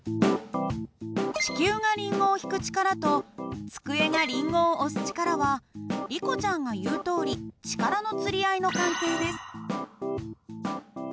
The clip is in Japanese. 地球がリンゴを引く力と机がリンゴを押す力はリコちゃんが言うとおり力のつり合いの関係です。